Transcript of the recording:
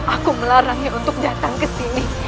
aku melarangnya untuk datang kesini